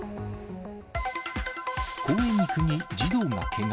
公園にくぎ、児童がけが。